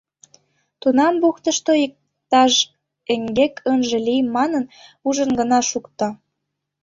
Тунам бухтышто иктаж эҥгек ынже лий манын, ужын гына шукто.